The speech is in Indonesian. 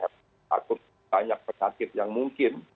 takut banyak penyakit yang mungkin